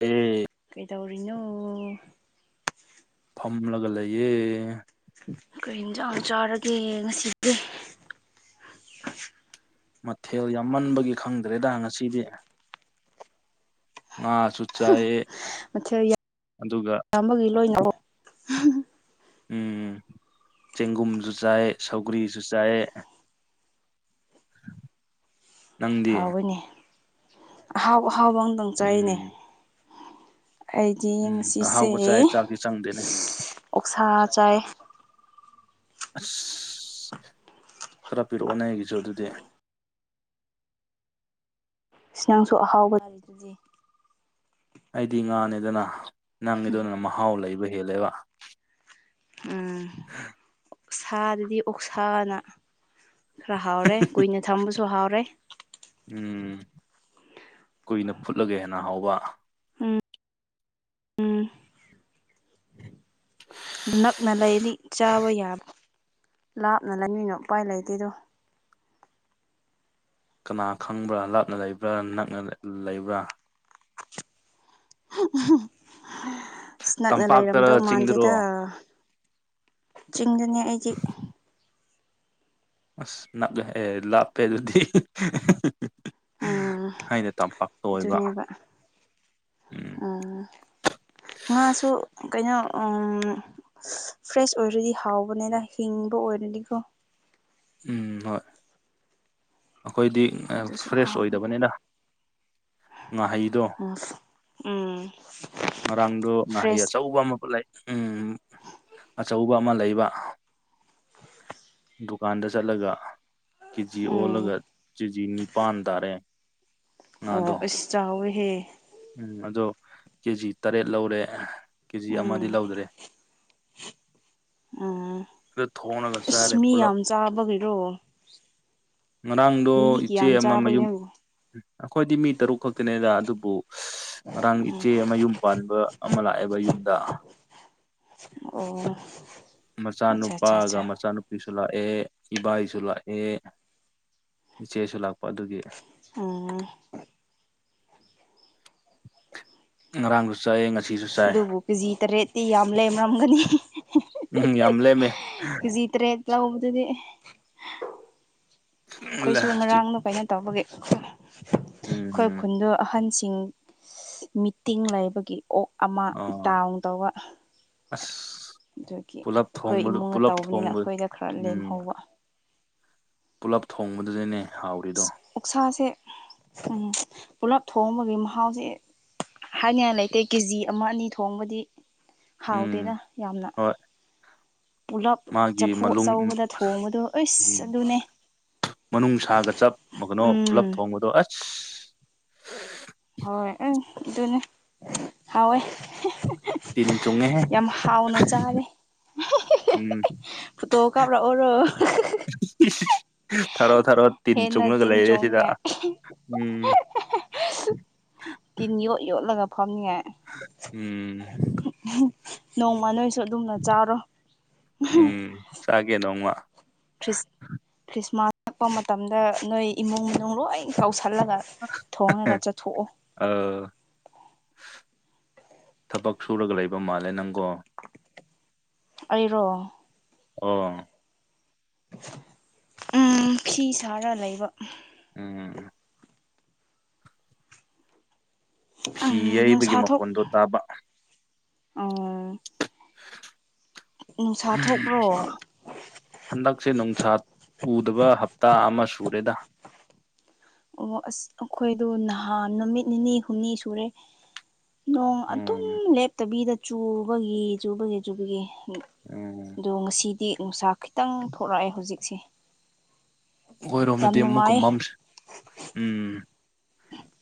ꯎꯝ ꯀꯩ ꯇꯧꯔꯤꯅꯣ ꯐꯝꯂꯒ ꯂꯩꯌꯦꯦ ꯑꯩꯣꯏ ꯌꯦꯟꯖꯥꯡ ꯆꯥꯔꯒꯦ ꯉꯁꯤꯁꯦ ꯃꯊꯦꯜ ꯌꯥꯝꯃꯟꯕꯒꯤ ꯈꯪꯗ꯭ꯔꯦꯗ ꯉꯁꯤꯗꯤ ꯑ ꯁ ꯑꯗꯨꯒ ꯃꯊꯦꯜꯕꯒꯤ ꯂꯣꯏꯅꯔ ꯎꯝ ꯆꯦꯡꯒꯨꯝꯁꯨ ꯆꯥꯏ ꯁꯧꯒ꯭ꯔꯤꯁꯨ ꯆꯥꯏ ꯅꯪꯗꯤ ꯍꯥꯎꯋꯅꯦ ꯑꯍꯥꯎ ꯑꯍꯥꯎꯕ ꯑꯃꯝꯇꯪ ꯆꯥꯏꯅꯦ ꯎꯝ ꯑꯩꯗꯤ ꯎꯝ ꯉꯁꯤꯁꯦ ꯑꯍꯥꯎꯕ ꯆꯥꯏ ꯆꯥꯛꯇꯤ ꯆꯪꯗꯦꯅꯦ ꯑꯣꯛꯁꯥ ꯆꯥꯏ ꯑꯁ ꯈꯔ ꯄꯤꯔꯛꯑꯣ ꯅ ꯑꯩꯒꯤꯁꯨ ꯑꯗꯨꯗꯤ ꯏ ꯅꯪꯁꯨ ꯑꯍꯥꯎꯕꯗꯔꯤ ꯑꯗꯨꯗꯤ ꯑꯩꯗꯤ ꯉꯥꯅꯦꯗꯅ ꯅꯪꯒꯤꯗꯗꯅ ꯃꯍꯥꯎ ꯂꯩꯕ ꯍꯦꯜꯂꯦꯕ ꯎꯝ ꯁꯥꯗꯗꯤ ꯑꯣꯛꯁꯥꯅ ꯈꯔ ꯍꯥꯎꯔꯦ ꯀꯨꯏꯅ ꯊꯝꯕꯁꯨ ꯍꯥꯎꯔꯦ ꯎꯝ ꯀꯨꯏꯅ ꯐꯨꯠꯂꯒꯦ ꯍꯦꯟꯅ ꯍꯥꯎꯕ ꯎꯝ ꯅꯛꯅ ꯂꯩꯔꯤ ꯆꯥꯕ ꯌꯥꯕ ꯂꯥꯞꯅ ꯂꯩꯃꯤꯅꯣ ꯎꯄꯥꯏ ꯂꯩꯇꯦꯗꯣ ꯀꯅꯥ ꯈꯪꯕ꯭ꯔꯥ ꯂꯥꯞꯅ ꯂꯩꯕ꯭ꯔꯥ ꯅꯛꯅ ꯂꯩꯕ꯭ꯔꯥ ꯁ ꯅꯛꯅ ꯇꯝꯄꯥꯛꯇꯔ ꯂꯩꯔꯝꯗꯧ ꯆꯤꯡꯗꯔꯣ ꯃꯥꯟꯗꯦꯗ ꯆꯤꯡꯗꯅꯦ ꯑꯩꯒꯤ ꯑꯁꯅꯥ ꯂꯥꯛꯞꯄꯦ ꯑꯗꯨꯗꯤ ꯎꯝ ꯍꯥꯏꯩꯅ ꯇꯝꯄꯥꯛꯇ ꯑꯣꯏꯕ ꯑꯗꯨꯅꯦꯕ ꯎꯝ ꯉꯥꯁꯨ ꯀꯩꯅꯣ ꯐ꯭ꯔꯦꯁ ꯑꯣꯏꯔꯗꯤ ꯍꯥꯎꯕꯅꯤꯅ ꯍꯤꯡꯕ ꯑꯣꯏꯔꯗꯤꯀꯣ ꯎꯝ ꯍꯣꯏ ꯑꯩꯈꯣꯏꯗꯤ ꯑꯗꯨꯁꯨ ꯐ꯭ꯔꯦꯁ ꯍꯥꯎꯕꯅꯤ ꯑꯣꯏꯗꯕꯅꯤꯅ ꯉꯥꯍꯩꯗꯣ ꯎꯝ ꯉꯔꯥꯡꯗꯣ ꯉꯥꯍꯩ ꯐ꯭ꯔꯦꯁ ꯑꯆꯧꯕ ꯑꯃ ꯄꯨꯂ ꯑꯆꯧꯕ ꯑꯃ ꯂꯩꯕ ꯗꯨꯀꯥꯟꯗ ꯆꯠꯂꯒ ꯀꯦ ꯖꯤ ꯎꯝ ꯑꯣꯜꯂꯒ ꯀꯦ ꯖꯤ ꯅꯤꯄꯥꯟ ꯇꯥꯔꯦ ꯑꯣ ꯉꯥꯗꯣ ꯑꯁꯤꯁꯨ ꯆꯥꯎꯋꯦꯍꯦ ꯎꯝ ꯑꯗꯣ ꯀꯦꯖꯤ ꯇꯔꯦꯠ ꯂꯧꯔꯦ ꯀꯦꯖꯤ ꯑꯃꯗꯤ ꯎꯝ ꯂꯧꯗ꯭ꯔꯦ ꯎꯝ ꯑꯗꯨ ꯊꯣꯡꯅꯒ ꯑꯁ ꯁꯥꯔꯦ ꯃꯤ ꯄꯨꯂ ꯌꯥꯝ ꯆꯥꯕꯒꯤꯔꯣ ꯉꯔꯥꯡꯗꯣ ꯃꯤ ꯏꯆꯦ ꯀꯌꯥꯝ ꯑꯃꯃꯌꯨꯝ ꯆꯥꯕꯒꯤꯅꯣ ꯑꯩꯈꯣꯏꯗꯤ ꯃꯤ ꯇꯔꯨꯛ ꯈꯛꯇꯅꯦꯗ ꯑꯗꯨꯕꯨ ꯉꯔꯥꯡ ꯏꯆꯦ ꯑꯃꯌꯨꯝ ꯄꯥꯟꯕ ꯑꯃ ꯂꯥꯛꯑꯦꯕ ꯌꯨꯝꯗ ꯑꯣ ꯑꯆꯥ ꯑꯆꯥ ꯑꯆꯥ ꯃꯆꯥꯥꯅꯨꯄꯥꯑꯒ ꯃꯆꯥꯅꯨ ꯅꯨꯄꯤꯁꯨ ꯂꯥꯛꯑꯦ ꯏꯕꯥꯏꯁꯨ ꯂꯥꯛꯑꯦ ꯏꯆꯦꯁꯨ ꯂꯥꯛꯄ ꯑꯗꯨꯒꯤ ꯎꯝ ꯉꯔꯥꯡꯁꯨ ꯆꯥꯏꯌꯦ ꯉꯁꯤ ꯑꯗꯨꯕꯨ ꯀꯦꯖꯤ ꯇꯔꯦꯠꯇꯤ ꯌꯥꯝ ꯂꯩꯔꯝꯒꯅꯤ ꯎꯝ ꯌꯥꯝ ꯂꯦꯝꯃꯦ ꯖꯤꯇ꯭ꯔꯦꯠ ꯂꯩꯕꯗꯨꯗꯤ ꯑꯩꯈꯣꯏꯁꯨ ꯉꯔꯥꯡꯅ ꯀꯥꯏꯩꯅ ꯇꯧꯕꯒꯤ ꯑꯩꯈꯣꯏ ꯎꯝ ꯈꯨꯟꯗꯣ ꯑꯍꯟꯁꯤꯡ ꯃꯤꯇꯤꯡ ꯂꯩꯕꯒꯤ ꯑꯣꯛ ꯑꯃ ꯑꯣ ꯗꯥꯎꯟꯇꯧꯕ꯫ ꯑꯁ ꯑꯗꯨꯒꯤ ꯄꯨꯂꯞ ꯑꯩꯈꯣꯏ ꯊꯣꯡꯕꯗꯨ ꯏꯃꯨꯡꯅ ꯄꯨꯂꯞ ꯇꯧꯕꯅꯤꯅ ꯊꯣꯡꯕ ꯑꯩꯈꯣꯏꯗ ꯈꯔ ꯂꯦꯝꯍꯧꯕ꯫ ꯄꯨꯜꯂꯞ ꯊꯣꯡꯕꯗꯨꯗꯅꯦ ꯍꯥꯎꯔꯤꯗꯣ꯫ ꯎꯛꯁꯥꯁꯦ ꯎꯝ ꯄꯨꯂꯞ ꯊꯣꯡꯕꯒꯤ ꯃꯍꯥꯎꯁꯦ ꯍꯥꯏꯅꯤꯡꯉꯥꯏ ꯂꯩꯇꯦ ꯀꯦꯖꯤ ꯑꯃ ꯑꯅꯤ ꯊꯣꯡꯕꯗꯤ ꯎꯝ ꯍꯥꯎꯇꯦꯗ ꯌꯥꯝꯅ꯫ ꯍꯣꯏ ꯄꯨꯂꯞ ꯃꯥꯒꯤ ꯆꯐꯨ ꯃꯅꯨꯡ ꯑꯆꯧꯕꯗ ꯊꯣꯡꯕꯗꯣ ꯑꯩꯁ ꯑꯗꯨꯅꯦ ꯃꯅꯨꯡ ꯁꯥꯒ ꯆꯞ ꯃ ꯀꯩꯅꯣ ꯄꯨꯂꯞ ꯎꯝ ꯊꯣꯡꯕꯗꯣ ꯑꯁ ꯍꯣꯏ ꯑꯗꯨꯅꯦ ꯍꯥꯎꯋꯏ꯫ ꯇꯤꯟ ꯆꯨꯡꯉꯦꯍꯦ ꯌꯥꯝ ꯍꯥꯎꯅ ꯆꯥꯔꯦ꯫ ꯎꯝ ꯐꯇꯣ ꯀꯥꯞꯔꯛ ꯑꯣꯏꯔꯣ꯫ ꯊꯔꯣ ꯊꯔꯣ ꯇꯤꯟ ꯍꯦꯟꯅ ꯆꯨꯡꯉꯒ ꯇꯤꯟ ꯂꯩꯔꯦ ꯁꯤꯗ ꯆꯣꯡꯅꯤꯡꯉꯥꯏ ꯎꯝ ꯇꯤꯟ ꯌꯣꯠ ꯌꯣꯠꯂꯒ ꯐꯝꯅꯤꯉꯥꯏ ꯎꯝ ꯅꯣꯡꯃ ꯅꯣꯏꯁꯨ ꯑꯗꯨꯝꯅ ꯆꯥꯔꯣ꯫ ꯎꯝ ꯆꯥꯒꯦ ꯅꯣꯡꯃ꯫ ꯈ꯭ꯔꯤꯁ ꯈ꯭ꯔꯤꯁꯃꯥꯁ ꯆꯠꯄ ꯃꯇꯝꯗ ꯅꯣꯏ ꯏꯃꯨꯡ ꯃꯅꯨꯡ ꯂꯣꯏ ꯀꯧꯁꯜꯂꯒ ꯊꯣꯡꯉꯥꯒ ꯆꯥ ꯊꯣꯛꯑꯣ꯫ ꯑꯥ ꯊꯕꯛ ꯁꯨꯔꯒ ꯂꯩꯕ ꯃꯥꯜꯂꯦ ꯅꯪꯒꯣ꯫ ꯑꯩꯔꯣ꯫ ꯑꯣ꯫ ꯎꯝ ꯐꯤ ꯁꯥꯔ ꯂꯩꯕ꯫ ꯎꯝ ꯊꯤ ꯎꯝ ꯌꯩꯕꯒꯤ ꯅꯨꯡꯁꯥ ꯊꯣꯛ ꯃꯈꯣꯟꯗꯣ ꯇꯥꯕ꯫ ꯎꯝ ꯅꯨꯡꯁꯥ ꯍꯝ ꯊꯣꯛꯄ꯭ꯔꯣ ꯍꯟꯗꯛꯁꯦ ꯅꯨꯡꯁꯥ ꯎꯗꯕ ꯍꯞꯇꯥ ꯑꯃ ꯁꯨꯔꯦꯗ꯫ ꯑꯣ ꯑꯁ ꯑꯩꯈꯣꯏꯗ ꯅꯍꯥꯟ ꯅꯨꯃꯤꯠ ꯅꯤꯅꯤ ꯍꯨꯝꯅꯤ ꯁꯨꯔꯦ꯫ ꯅꯣꯡ ꯑꯗꯨꯝ ꯎꯝ ꯂꯦꯞꯇꯕꯤꯗ ꯆꯨꯕꯒꯤ ꯆꯨꯕꯒꯤ ꯆꯨꯕꯒꯤ ꯎꯝ ꯑꯗꯣ ꯉꯁꯤꯗꯤ ꯅꯨꯡꯁꯥ ꯈꯤꯇꯪ ꯊꯣꯔꯛꯑꯦ ꯍꯧꯖꯤꯛꯁꯦ꯫ ꯌꯥꯝ ꯑꯣꯏꯏꯔꯣꯝꯗꯗꯤ ꯑꯃꯨꯛꯀ ꯅꯨꯡꯉꯥꯏ ꯃꯝ ꯎꯝ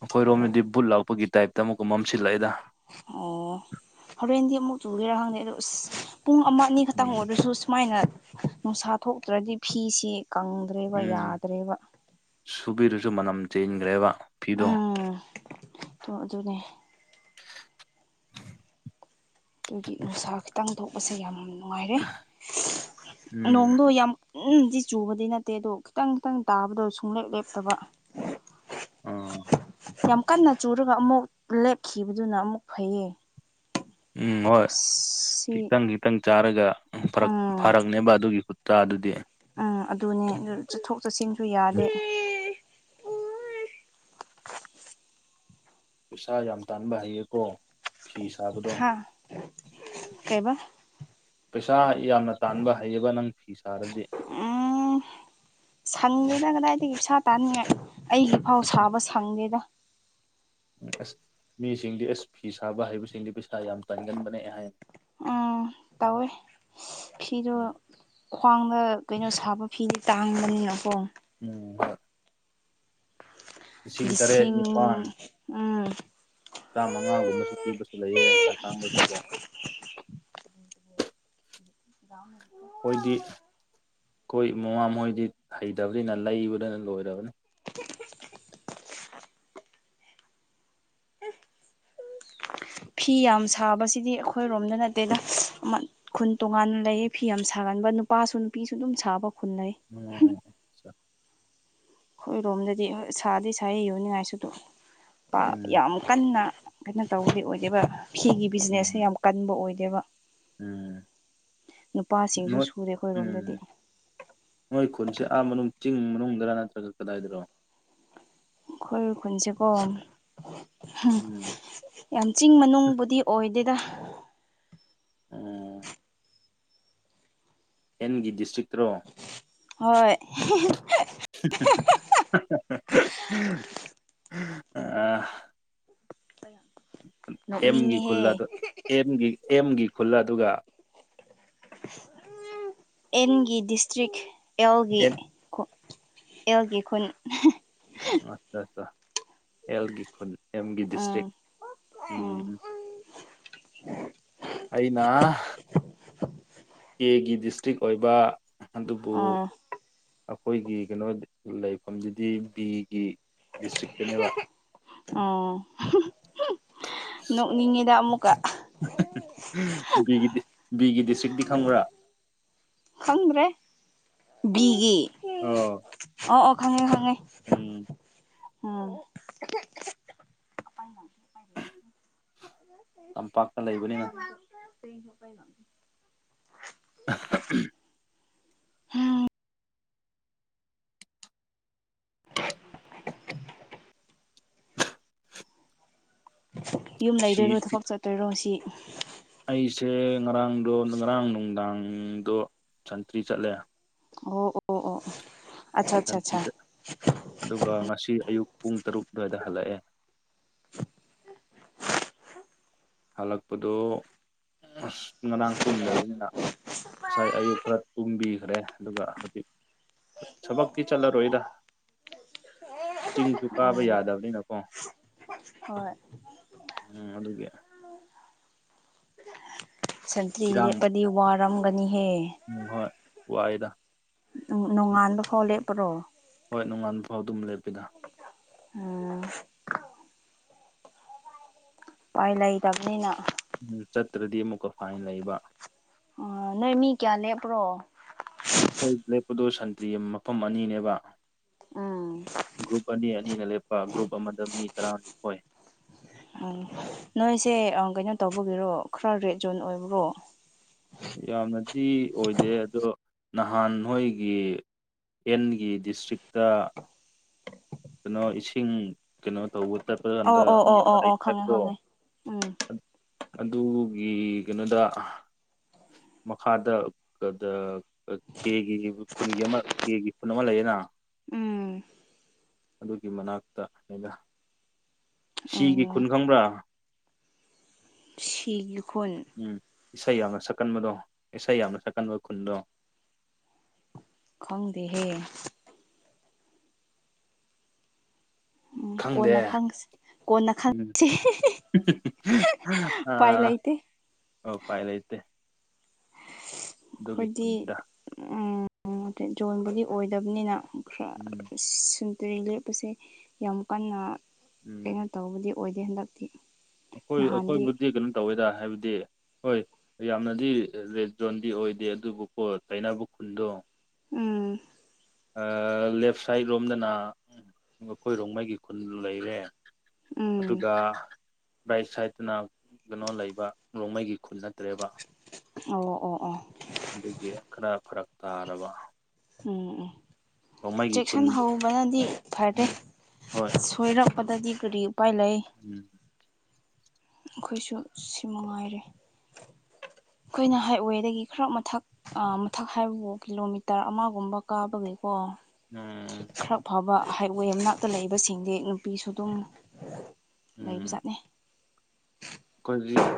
ꯑꯩꯈꯣꯏꯔꯣꯝꯗꯗꯤ ꯕꯨꯠ ꯂꯥꯛꯄꯒꯤ ꯇꯥꯏꯞꯇ ꯑꯃꯨꯛꯀ ꯃꯝꯁꯤꯜꯂꯛꯑꯦꯗ꯫ ꯑꯣ ꯍꯣꯔꯦꯟꯗꯤ ꯑꯃꯨꯛ ꯆꯨꯒꯦꯔꯥ ꯈꯪꯗꯦ ꯑꯗꯣ ꯑꯁ ꯄꯨꯡ ꯑꯃ ꯑꯅꯤꯈꯛꯇꯪ ꯎꯝ ꯑꯣꯏꯔꯁꯨ ꯁꯨꯃꯥꯏꯅ ꯅꯨꯡꯁꯥ ꯊꯣꯛꯇ꯭ꯔꯗꯤ ꯐꯤꯁ ꯀꯪ ꯎꯝ ꯌꯥꯗ꯭ꯔꯦꯕ ꯁꯨꯕꯤꯔꯁꯨ ꯃꯅꯝ ꯆꯦꯟꯈ꯭ꯔꯦꯕ꯫ ꯐꯤꯗꯣ ꯎꯝ ꯑꯗꯨꯅꯦ ꯑꯗꯨꯒꯤ ꯅꯨꯡꯁꯥ ꯈꯤꯇꯪ ꯊꯣꯛꯄꯁꯦ ꯌꯥꯝ ꯅꯨꯡꯉꯥꯏꯔꯦ ꯎꯝ ꯅꯣꯡꯗꯣ ꯌꯥꯝ ꯎꯝ ꯗꯤ ꯆꯨꯕꯗꯤ ꯅꯠꯇꯦ ꯑꯗꯣ ꯈꯤꯇꯪ ꯈꯤꯇꯪ ꯇꯥꯕꯗꯣ ꯁꯨꯡꯂꯦꯞ ꯂꯦꯞꯇꯕ꯫ ꯑꯥ ꯌꯥꯝ ꯀꯟꯅ ꯆꯨꯔꯒ ꯑꯃꯨꯛ ꯂꯦꯞꯈꯤꯕꯗꯨꯅ ꯑꯃꯨꯛ ꯐꯩꯌꯦ꯫ ꯎꯝ ꯍꯣꯏ ꯑꯁ ꯁꯤ ꯈꯤꯇꯪ ꯈꯤꯇꯪ ꯆꯥꯔꯒꯛ ꯎꯝ ꯐꯔꯛꯅꯦꯕ ꯑꯗꯨꯒꯤ ꯆꯥ ꯑꯗꯨꯗꯤ ꯎꯝ ꯑꯗꯨꯅꯦ ꯑꯗꯨ ꯆꯠꯊꯣꯛ ꯆꯠꯁꯤꯟꯁꯨ ꯌꯥꯗꯦ꯫ ꯄꯩꯁꯥ ꯌꯥꯝ ꯇꯥꯟꯕ ꯍꯩꯌꯦꯀꯣ ꯐꯤ ꯁꯥꯕꯗꯣ꯫ ꯍꯥ ꯀꯩꯕ ꯄꯩꯁꯥ ꯌꯥꯝꯅ ꯇꯥꯟꯕ ꯍꯩꯌꯦꯕ ꯅꯪ ꯐꯤ ꯁꯥꯔꯗꯤ ꯎꯝ ꯁꯪꯒꯦꯅ ꯀꯗꯥꯏꯗꯒꯤ ꯄꯩꯁꯥ ꯇꯥꯅꯤꯡꯉꯦ ꯑꯩꯒꯤꯐꯥꯎ ꯁꯥꯕ ꯁꯪꯗꯦꯗ꯫ ꯑꯁ ꯃꯤꯁꯤꯡꯗꯤ ꯑꯁ ꯐꯤ ꯁꯥꯕ ꯍꯩꯕꯁꯤꯡꯗꯤ ꯄꯩꯁꯥ ꯌꯥꯝ ꯇꯟꯒꯟꯕꯅꯦ ꯑꯩ ꯍꯥꯏ ꯎꯝ ꯇꯧꯋꯦ ꯐꯤꯗꯣ ꯎꯝ ꯈ꯭ꯋꯥꯡꯗ ꯀꯩꯅꯣ ꯁꯥꯕ ꯐꯤꯅꯤ ꯇꯥꯡꯕꯅꯤꯅꯀꯣ ꯎꯝ ꯂꯤꯁꯤꯡ ꯎꯝ ꯆꯥꯝꯃꯉꯥꯒꯨꯝꯕꯁꯨ ꯄꯤꯕꯁꯨ ꯂꯩꯑꯦ ꯈꯔ ꯇꯥꯡꯕꯒꯤꯀꯣ [inaudible] ꯑꯩꯏꯗꯤ ꯑꯩꯈꯣꯏ ꯃꯃꯥꯍꯣꯏꯗꯤ ꯍꯩꯇꯕꯅꯤꯅ ꯂꯩꯕꯗꯅ ꯂꯣꯏꯔꯕꯅꯤ ꯐꯤ ꯌꯥꯝ ꯁꯥꯕꯁꯤꯗꯤ ꯑꯩꯈꯣꯏꯔꯣꯝꯗ ꯅꯠꯇꯦꯗ ꯈꯨꯟ ꯇꯣꯉꯥꯟꯅ ꯂꯩꯌꯦ ꯐꯤ ꯌꯥꯝ ꯁꯥꯒꯟꯕ ꯅꯨꯄꯥꯁꯨ ꯅꯨꯄꯤꯁꯨ ꯑꯗꯨꯝ ꯁꯥꯕ ꯈꯨꯟ ꯂꯩ ꯎꯝ ꯑꯩꯈꯣꯏꯔꯣꯝꯗꯗꯤ ꯍꯣꯏ ꯁꯥꯗꯤ ꯁꯥꯏ ꯌꯣꯡꯅꯤꯡꯉꯥꯏꯁꯨ ꯑꯗꯨꯝ ꯄꯥꯛ ꯌꯥꯝꯃꯨ ꯀꯟꯅ ꯀꯩꯅꯣ ꯇꯧꯕꯗꯤ ꯑꯣꯏꯗꯦꯕ ꯐꯤꯒꯤ ꯎꯝ ꯕꯤꯖꯤꯅꯦꯁꯁꯦ ꯎꯝ ꯌꯥꯝ ꯀꯟꯕ ꯑꯣꯏꯗꯦꯕ ꯎꯝ ꯅꯨꯄꯥꯁꯤꯡꯁꯨ ꯅꯣꯏ ꯁꯨꯔꯦ ꯎꯝ ꯑꯩꯈꯣꯏꯔꯣꯝꯗꯗꯤ ꯅꯣꯏ ꯈꯨꯟꯁꯦ ꯑꯥ ꯃꯅꯨꯡ ꯆꯤꯡ ꯃꯅꯨꯡꯗꯔ ꯅꯠꯇ꯭ꯔꯒ ꯀꯗꯥꯏꯗꯅꯣ ꯑꯈꯣꯏ ꯈꯨꯟꯁꯦꯀꯣ ꯎ ꯎꯝ ꯌꯥꯝ ꯆꯤꯡ ꯃꯅꯨꯡꯕꯨꯗꯤ ꯑꯣꯏꯗꯦꯗ ꯎꯝ ꯑꯦꯟꯒꯤ ꯗꯤꯁꯇ꯭ꯔꯤꯛꯇ꯭ꯔꯣ ꯍꯣꯏ [unintelligible] ꯑꯦꯝꯒꯤ ꯅꯣꯛꯅꯤꯡꯉꯤꯍꯦ ꯈꯨꯜꯂ ꯑꯗꯨ ꯑꯦꯝꯒꯤ ꯑꯦꯝꯒꯤ ꯈꯨꯜꯂ ꯑꯗꯨꯒ ꯑꯦꯟꯒꯤ ꯗꯤꯁꯇ꯭ꯔꯤꯛ ꯑꯦꯜꯒꯤ ꯑꯦꯟ ꯑꯦꯜꯒꯤ ꯈꯨꯟ ꯑꯠꯆꯆꯥ ꯑꯦꯜꯒꯤ ꯈꯨꯟ ꯑꯜꯒꯤ ꯎꯝ ꯗꯤꯁꯇ꯭ꯔꯤꯛ ꯎꯝ ꯑꯩꯅ ꯀꯦꯒꯤ ꯗꯤꯁꯇ꯭ꯔꯤꯛ ꯑꯣꯏꯕ ꯑꯗꯨꯕꯨ ꯑꯣ ꯑꯩꯈꯣꯏꯒꯤ ꯀꯩꯅꯣ ꯂꯩꯐꯝꯗꯨꯗꯤ ꯕꯤꯒꯤ ꯗꯤꯁꯇ꯭ꯔꯤꯛꯇꯅꯦꯕ ꯎꯝ ꯅꯣꯛꯅꯤꯡꯉꯤꯗ ꯑꯃꯨꯛꯀ ꯕꯤ ꯕꯤꯒꯤ ꯗꯤꯁꯇ꯭ꯔꯤꯛꯇꯤ ꯈꯪꯕ꯭ꯔꯥ ꯈꯪꯗ꯭ꯔꯦ ꯕꯤꯒꯤ ꯑꯣ ꯑꯣ ꯑꯣ ꯈꯪꯉꯦ ꯈꯪꯉꯦ ꯎꯝ ꯎꯝ ꯇꯝꯄꯥꯛꯇ ꯂꯩꯕꯅꯦ [inaudible] [inaudible] [inaudible] ꯌꯨꯝ ꯁꯤ ꯂꯩꯗꯣꯏꯔꯣ ꯊꯕꯛ ꯆꯠꯇꯣꯏꯔꯣ ꯉꯁꯤ ꯑꯩꯁꯦ ꯉꯔꯥꯡꯗꯣ ꯉꯔꯥꯡ ꯅꯨꯡꯗꯥꯡꯗꯣ ꯁꯟꯇ꯭ꯔꯤ ꯆꯠꯂꯦ ꯑꯣ ꯑꯣ ꯑꯣ ꯑꯠꯆꯥ ꯑꯠꯆꯥ ꯑꯠꯆꯥ ꯁꯟꯇ꯭ꯔꯤꯠ ꯑꯗꯨꯒ ꯉꯁꯤ ꯑꯌꯨꯛ ꯄꯨꯡ ꯇꯔꯨꯛ ꯑꯗꯨꯋꯥꯏꯗ ꯍꯜꯂꯛꯑꯦ ꯍꯜꯂꯛꯄꯗꯣ ꯑꯁ ꯉꯔꯥꯡ ꯇꯨꯝꯗ꯭ꯔꯕꯅꯤꯅ ꯉꯁꯥꯏ ꯑꯌꯨꯛ ꯈꯔ ꯇꯨꯝꯕꯤꯈ꯭ꯔꯦ ꯑꯗꯨꯒ ꯍꯧꯖꯤꯛ ꯊꯕꯛꯇꯤ ꯆꯠꯂꯔꯣꯏꯗ ꯆꯤꯡꯁꯨ ꯀꯥꯕ ꯎꯝ ꯌꯥꯗꯕꯅꯤꯅꯀꯣ ꯍꯣꯏ ꯎꯝ ꯑꯗꯨꯒꯤ ꯁꯟꯇ꯭ꯔꯤ ꯏꯔꯥꯡ ꯂꯦꯞꯄꯗꯤ ꯋꯥꯔꯝꯒꯅꯤꯍꯦ ꯎꯝ ꯍꯣꯏ ꯋꯥꯏꯗ ꯅꯣꯡꯉꯥꯟꯕ ꯐꯥꯎ ꯂꯦꯞꯄ꯭ꯔꯣ ꯍꯣꯏ ꯅꯣꯡꯉꯥꯟꯕ ꯐꯥꯎ ꯑꯗꯨꯝ ꯂꯦꯞꯄꯤꯗ ꯎꯝ ꯎꯄꯥꯏ ꯂꯩꯇꯕꯅꯤꯅ ꯎꯝ ꯆꯠꯇ꯭ꯔꯗꯤ ꯑꯃꯨꯛꯀ ꯐꯥꯏꯟ ꯂꯩꯕ ꯅꯣꯏ ꯃꯤ ꯀꯌꯥ ꯂꯦꯞꯄ꯭ꯔꯣ ꯑꯩꯈꯣꯏ ꯕ꯭ꯂꯦꯛ ꯄꯗꯣ ꯁꯟꯇ꯭ꯔꯤ ꯃꯐꯝ ꯑꯅꯤꯅꯦꯕ ꯎꯝ ꯒ꯭ꯔꯨꯞ ꯑꯅꯤ ꯑꯅꯤꯅ ꯂꯦꯞꯄ ꯒ꯭ꯔꯨꯞ ꯑꯃꯗ ꯃꯤ ꯇꯔꯥꯅꯤꯊꯣꯏ ꯎꯝ ꯅꯣꯏꯁꯦ ꯀꯩꯅꯣ ꯇꯧꯕꯒꯤꯔꯣ ꯈꯔ ꯔꯦꯠ ꯖꯣꯟ ꯑꯣꯏꯕ꯭ꯔꯣ ꯌꯥꯝꯅꯗꯤ ꯑꯣꯏꯗꯦ ꯑꯗꯣ ꯅꯍꯥꯟ ꯅꯣꯏꯒꯤ ꯑꯦꯟꯒꯤ ꯗꯤꯁꯇ꯭ꯔꯤꯛꯇ ꯀꯩꯅꯣ ꯏꯁꯤꯡ ꯀꯩꯅꯣ ꯇꯧꯕ ꯆꯠꯄ ꯑꯣ ꯀꯥꯟꯗ ꯑꯣ ꯃꯤ ꯑꯣ ꯑꯃ ꯑꯣ ꯑꯣ ꯂꯩꯒꯦ ꯈꯪꯉꯦ ꯍꯥꯏꯕꯗꯣ ꯈꯪꯉꯦ ꯑꯗꯨꯒꯤ ꯀꯩꯅꯣꯗ ꯃꯈꯥꯗ ꯀꯦꯒꯤ ꯈꯨꯟꯒꯤ ꯑꯃ ꯀꯦꯒꯤ ꯈꯨꯟ ꯑꯃ ꯂꯩꯌꯦꯅ ꯎꯝ ꯑꯗꯨꯒꯤ ꯃꯅꯥꯛꯇ ꯑꯩꯅ ꯎꯝ ꯁꯤꯒꯤ ꯈꯨꯟ ꯑꯣ ꯈꯪꯕ꯭ꯔꯥ ꯁꯤꯈꯣꯟ ꯎꯝ ꯏꯁꯩ ꯌꯥꯝꯅ ꯁꯛꯀꯟꯕꯗꯣ ꯏꯁꯩ ꯌꯥꯝꯅ ꯁꯛꯀꯟꯕ ꯈꯨꯟꯗꯣ ꯈꯪꯗꯦꯍꯦ ꯎꯝ ꯈꯪꯗꯦ ꯀꯣꯟꯅ ꯈꯪꯁꯤ ꯀꯅꯅ ꯎꯝ ꯈꯪꯦ ꯄꯥꯏ ꯂ ꯏꯇꯦ ꯑꯣ ꯄꯥꯏ ꯂꯩ ꯏꯇꯦ ꯈꯨꯟꯗ ꯑꯩꯈꯣꯏꯗꯤ ꯖꯣꯟꯕꯨꯗꯤ ꯑꯣꯏꯗꯕꯅꯤꯅ ꯈꯔ ꯎꯝ ꯁꯨꯟꯇꯔꯦ ꯂꯦꯞꯄꯁꯦ ꯌꯥꯝ ꯀꯟꯅ ꯀꯩꯅꯣ ꯎꯝ ꯇꯧꯕꯗꯤ ꯑꯣꯏꯗꯦ ꯍꯟꯗꯛꯇꯤ ꯑꯩꯈꯣꯏ ꯅꯍꯥꯟꯗꯤ ꯑꯩꯈꯣꯏꯕꯨꯗꯤ ꯀꯩꯅꯣ ꯇꯧꯋꯦꯗ ꯍꯥꯏꯕꯗꯤ ꯍꯣꯏ ꯌꯥꯝꯅꯗꯤ ꯔꯦꯠ ꯖꯣꯟꯗꯤ ꯑꯣꯏꯗꯦ ꯑꯗꯨꯕꯨꯀꯣ ꯇꯩꯅꯕ ꯈꯨꯟꯗꯣ ꯎꯝ ꯂꯦꯐ ꯁꯥꯏꯠ ꯔꯣꯝꯗꯅꯈꯣꯏꯔꯣꯡꯃꯩꯒꯤ ꯈꯨꯟ ꯂꯩꯔꯦ ꯎꯝ ꯑꯗꯨꯒ ꯔꯥꯏꯠ ꯁꯥꯏꯠꯇꯅ ꯀꯩꯅꯣ ꯂꯩꯕ ꯅꯣꯡꯃꯩꯒꯤ ꯈꯨꯜ ꯅꯠꯇ꯭ꯔꯦꯕ ꯑꯣ ꯑꯣ ꯑꯣ ꯑꯗꯨꯒꯤ ꯈꯔ ꯐꯔꯛ ꯇꯥꯔꯕ ꯎꯝ ꯎꯝ ꯔꯣꯡꯃꯩꯒꯤ ꯈꯨꯟ ꯆꯦꯛꯁꯤꯟ ꯍꯧꯕꯅꯗꯤ ꯐꯔꯦ ꯑ ꯎꯝ ꯍꯣꯏ ꯊꯣꯏꯔꯛꯄꯗꯗꯤ ꯀꯔꯤ ꯎꯄꯥꯏ ꯂꯩ ꯎꯝ ꯑꯩꯈꯣꯏꯁꯨ ꯁꯤ ꯅꯨꯡꯉꯥꯏꯔꯦ ꯑꯩꯈꯣꯏꯅ ꯍꯥꯏꯋꯦꯗꯒꯤ ꯈꯔ ꯃꯊꯛ ꯑ ꯃꯊꯛ ꯍꯥꯏꯕꯕꯨ ꯀꯤꯂꯣꯃꯤꯇꯔ ꯑꯃꯒꯨꯝꯕ ꯀꯥꯕꯒꯤꯦꯀꯣ ꯎꯝ ꯈꯔ ꯐꯕ ꯍꯥꯏꯋꯦ ꯃꯅꯥꯛꯇ ꯂꯩꯕꯁꯤꯡꯗꯤ ꯅꯨꯄꯤꯁꯨ ꯑꯗꯨꯝ ꯂꯩꯕ ꯆꯥꯠꯅꯤ ꯑꯩꯈꯣꯏꯖꯤꯛ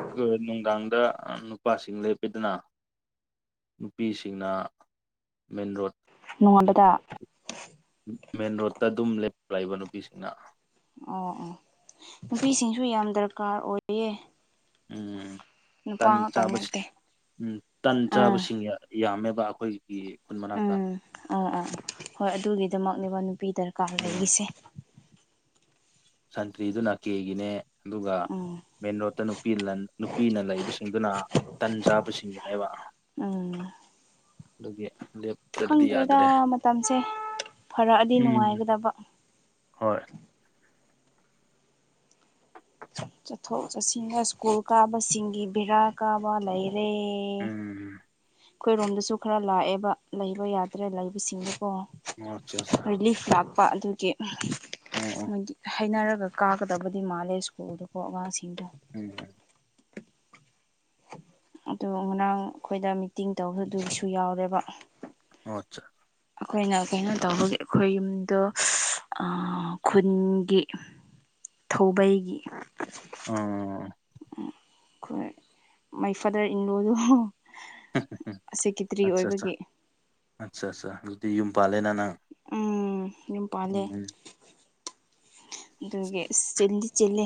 ꯅꯨꯡꯗꯥꯡꯗ ꯅꯨꯄꯥꯁꯤꯡ ꯂꯦꯞꯄꯤꯗꯅ ꯅꯨꯄꯤꯁꯤꯡꯅ ꯃꯦꯟ ꯔꯣꯗ ꯅꯣꯡꯉꯥꯟꯕꯗ ꯃꯦꯟ ꯔꯣꯗꯠꯇ ꯑꯗꯨꯝ ꯂꯞ ꯂꯥꯛꯏꯕ ꯅꯨꯄꯤꯁꯤꯡꯅ ꯑꯣ ꯑꯣ ꯅꯨꯄꯤꯁꯤꯡꯁꯨ ꯌꯥꯝ ꯗꯔꯀꯥꯔ ꯑꯣꯏꯌꯦ ꯎꯝ ꯅꯨꯄꯥ ꯇꯟ ꯉꯥꯛꯇꯪ ꯆꯥꯕ ꯅꯠꯇꯦ ꯎꯝ ꯇꯟ ꯑꯥ ꯆꯥꯕꯁꯤꯡ ꯌꯥ ꯌꯥꯝꯃꯦꯕ ꯑꯩꯈꯣꯏꯒꯤ ꯈꯨꯟ ꯃꯅꯥꯛꯇ ꯎꯝ ꯑꯥ ꯑꯥ ꯍꯣꯏ ꯑꯗꯨꯒꯤꯗꯃꯛꯅꯦꯕ ꯅꯨꯄꯤ ꯗꯔꯀꯥꯔ ꯎꯝ ꯂꯩꯔꯤꯁꯦ ꯁꯟꯇ꯭ꯔꯤꯗꯨꯅ ꯀꯦꯒꯤꯅꯦ ꯑꯗꯨꯒ ꯎꯝ ꯃꯦꯟꯔꯣꯗꯠꯇ ꯅꯨꯄꯤ ꯂꯟ ꯅꯨꯄꯤꯅ ꯂꯩꯕꯁꯤꯡꯗꯨꯅ ꯇꯟ ꯆꯥꯕꯁꯤꯡꯒꯤꯅꯦꯕ ꯎꯝ ꯑꯗꯨꯒꯤ ꯂꯦꯞ ꯈꯪꯗ꯭ꯔꯦꯗ ꯃꯇꯝꯁꯦ ꯐꯔꯛꯑꯗꯤ ꯎꯝ ꯅꯨꯡꯉꯥꯏꯒꯗꯕ ꯍꯣꯏ ꯆꯠꯊꯣꯛ ꯆꯠꯁꯤꯟꯗ ꯍꯥꯏꯁ꯭ꯀꯨꯜ ꯀꯥꯕꯁꯤꯡꯒꯤ ꯕꯦꯔꯥ ꯀꯥꯕ ꯂꯩꯔꯦ ꯎꯝ ꯑꯩꯈꯣꯏꯔꯣꯝꯗꯁꯨ ꯈꯔ ꯂꯥꯛꯑꯦꯕ ꯂꯩꯕ ꯌꯥꯗ꯭ꯔꯦ ꯂꯩꯕꯁꯤꯡꯗꯨꯀꯣ ꯑꯆꯥ [unintelligible] ꯔꯤꯂꯤꯐ ꯂꯥꯛꯄ ꯑꯗꯨꯒꯤ ꯎꯝ ꯎꯝ ꯃꯣꯏꯗꯤ ꯍꯩꯅꯔꯒ ꯀꯥꯒꯗꯕꯗꯤ ꯃꯥꯜꯂꯦ ꯁ꯭ꯀꯨꯜꯗꯀꯣ ꯑꯉꯥꯡꯁꯤꯡꯗꯣ ꯎꯝ ꯎꯝ ꯑꯗꯨ ꯉꯔꯥꯡ ꯑꯩꯈꯣꯏꯗ ꯃꯤꯇꯤꯡ ꯇꯧꯕꯗꯨꯒꯤꯁꯨ ꯌꯥꯎꯔꯦꯕ ꯑꯣ ꯑꯠꯆꯥ ꯑꯩꯈꯣꯏꯅ ꯀꯩꯅꯣ ꯇꯧꯕꯒꯤ ꯑꯩꯈꯣꯏ ꯌꯨꯝꯗꯣ ꯈꯨꯟꯒꯤ ꯊꯧꯕꯩꯒꯤ ꯑꯣ ꯈꯣꯏ ꯃꯩ ꯐꯗꯔ ꯏꯜꯂꯣꯗꯣ ꯁꯤꯀꯤꯇ꯭ꯔꯤ ꯑꯠꯆꯥ ꯑꯠꯆꯥ ꯑꯣꯏꯕꯒꯤ ꯑꯠꯆꯥ ꯑꯠꯆꯥꯥ ꯑꯗꯨꯗꯤ ꯌꯨꯝ ꯄꯥꯜꯂꯦꯅ ꯅꯪ ꯎꯝ ꯌꯨꯝ ꯄꯥꯜꯂꯦ ꯎꯝ ꯑꯗꯨꯒꯤ ꯆꯤꯟꯗꯤ ꯆꯤꯜꯂꯦ